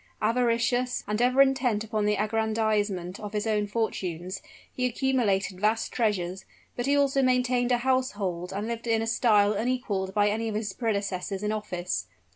Avaricious, and ever intent upon the aggrandizement of his own fortunes, he accumulated vast treasures; but he also maintained a household and lived in a style unequaled by any of his predecessors in office.